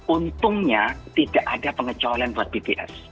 untungnya tidak ada pengecualian buat bps